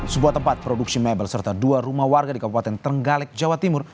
sebuah tempat produksi mebel serta dua rumah warga di kabupaten trenggalek jawa timur